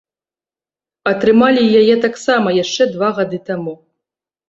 Атрымалі яе таксама яшчэ два гады таму.